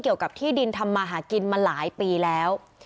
เกี่ยวกับที่ดินทำมาหากินมาหลายปีแล้ว